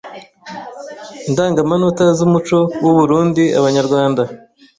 Indangamanota z’umuco w’u Burunndi Abanyarwanda